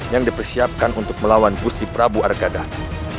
yang dipersiapkan untuk melawan gusti prabu arkadang